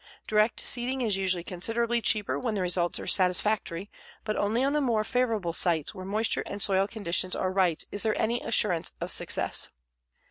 Direct seeding is usually considerably cheaper when the results are satisfactory, but only on the more favorable sites where moisture and soil conditions are right is there any assurance of success.